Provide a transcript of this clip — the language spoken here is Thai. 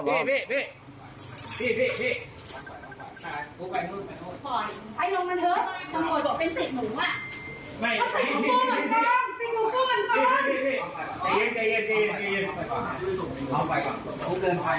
ใจเย็น